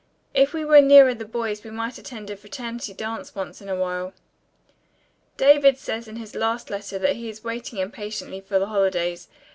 If we were nearer the boys we might attend a fraternity dance once in a while." "David says in his last letter that he is waiting impatiently for the holidays.